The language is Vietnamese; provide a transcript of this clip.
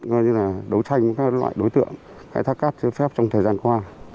như là đấu tranh các loại đối tượng khai thác cát chứa phép trong thời gian qua